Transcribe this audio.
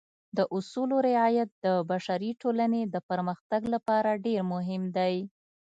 د اصولو رعایت د بشري ټولنې د پرمختګ لپاره ډېر مهم دی.